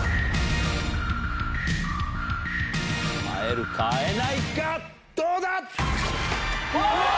会えるか会えないかどうだ⁉うわ！